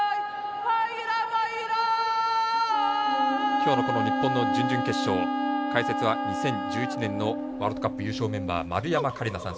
今日の準々決勝解説は２０１１年のワールドカップ優勝メンバー丸山桂里奈さん。